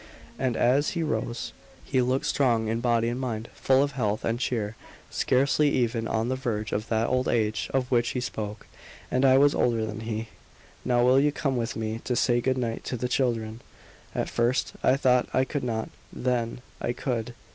And as he rose, he looked strong in body and mind, full of health and cheer scarcely even on the verge of that old age of which he spoke. And I was older than he. "Now, will you come with me to say good night to the children?" At first I thought I could not then, I could.